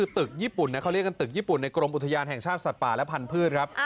ตึกญี่ปุ่นเขาเรียกกันตึกญี่ปุ่นในกรมอุทยานแห่งชาติสัตว์ป่าและพันธุ์ครับ